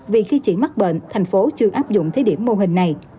vì khi chỉ mắc bệnh thành phố chưa áp dụng thí điểm mô hình này